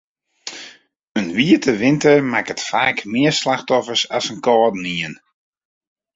In wiete winter makket faak mear slachtoffers as in kâldenien.